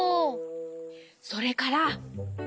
それから。